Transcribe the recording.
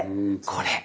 これ。